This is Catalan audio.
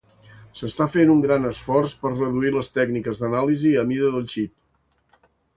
S'està fent un gran esforç per reduir les tècniques d'anàlisi a mida del xip.